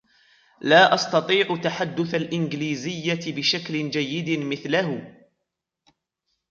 لا أستطيع تحدث الإنجليزية بشكل جيد مِثلِهِ.